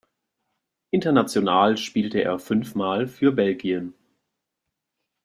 International spielte er fünf Mal für Belgien.